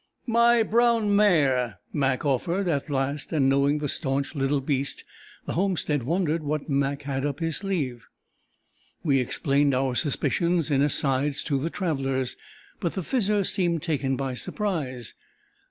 "My brown mare!" Mac offered at last, and knowing the staunch little beast, the homestead wondered what Mac had up his sleeve. We explained our suspicions in asides to the travellers, but the Fizzer seemed taken by surprise.